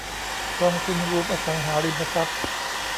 กองทุนรวมอสังหาริมทรัพย์